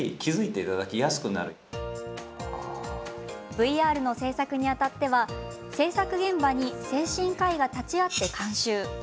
ＶＲの制作にあたっては制作現場に精神科医が立ち会って監修。